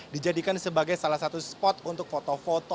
dijadikan sebagai salah satu spot untuk foto foto